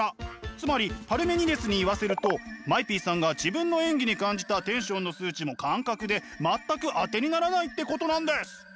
つまりパルメニデスに言わせるとＭＡＥＰさんが自分の演技に感じたテンションの数値も感覚で全く当てにならないってことなんです！